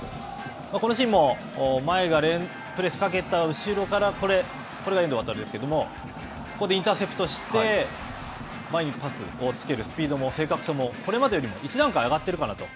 このシーンも、前がプレスかけた後ろから、これが遠藤航ですけど、ここでインターセプトして、前にパスをつけるスピードも、スピードも正確さも、これまでよりも一段階上がっているかなと。